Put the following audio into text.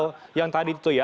soal yang tadi itu ya